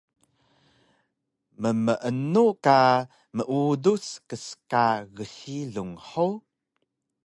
Mmeenu ka meudus kska gsilung hug?